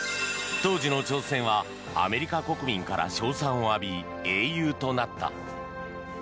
当時の挑戦はアメリカ国民から称賛を浴び英雄となった。